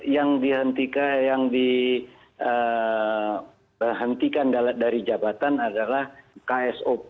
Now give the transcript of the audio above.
yang dihentikan dari jabatan adalah ksop ksop dan ksop